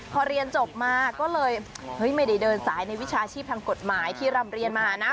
พอเรียนจบมาก็เลยไม่ได้เดินสายในวิชาชีพทางกฎหมายที่รำเรียนมานะ